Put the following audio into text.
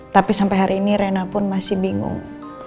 tapi sampai hari ini rena pun masih bingung